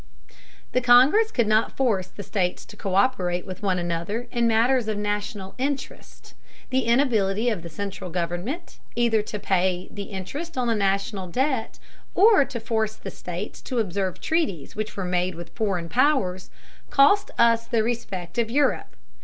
The Congress could not force the states to co÷perate with one another in matters of national interest. The inability of the central government, either to pay the interest on the national debt or to force the states to observe treaties which we made with foreign powers, cost us the respect of Europe.